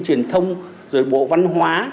truyền thông rồi bộ văn hóa